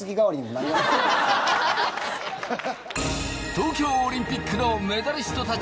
東京オリンピックのメダリストたちが大集合。